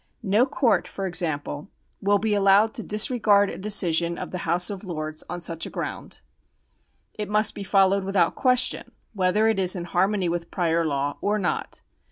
No court, for example, will be allowed to disregard a decision of the House of Lords on such a ground ; it must be followed without question, whether it is in harmony with prior law or not.